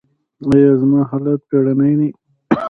ایا زما حالت بیړنی دی؟